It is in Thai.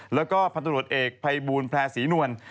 แล้วก็พันธุ์ตำรวจเอกไพบูลแพร่ศรีนวล